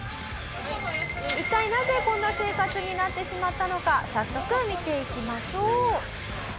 一体なぜこんな生活になってしまったのか早速見ていきましょう。